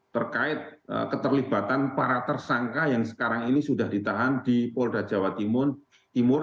terkait keterlibatan para tersangka yang sekarang ini sudah ditahan di polda jawa timur